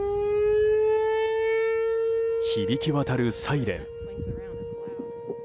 響き渡るサイレン。